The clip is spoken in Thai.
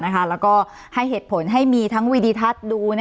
แล้วก็ให้เหตุผลให้มีทั้งวีดิทัศน์ดู